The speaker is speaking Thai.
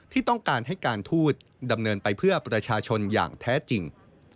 ที่ต้องการให้การทูตดำเนินไปเพื่อประชาชนอย่างแท้จริง